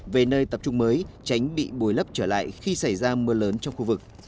về nơi tập trung mới tránh bị bồi lấp trở lại khi xảy ra mưa lớn trong khu vực